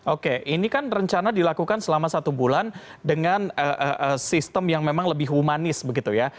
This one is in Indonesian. oke ini kan rencana dilakukan selama satu bulan dengan sistem yang memang lebih humanis begitu ya